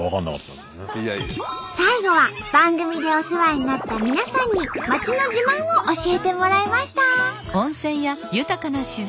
最後は番組でお世話になった皆さんに町の自慢を教えてもらいました。